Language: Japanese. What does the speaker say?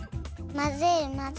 まぜまぜ。